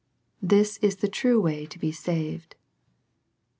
This is the true way to be saved.